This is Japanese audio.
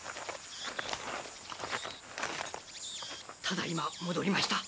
ただいま戻りました。